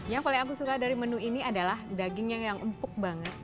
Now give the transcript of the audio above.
yang paling aku suka dari menu ini adalah dagingnya yang empuk banget